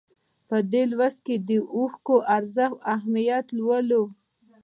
په دې لوست کې د اوښکو ارزښت او اهمیت ولولئ.